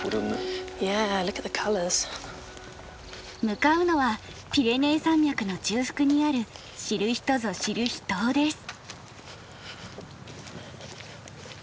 向かうのはピレネー山脈の中腹にある知る人ぞ知る秘湯です。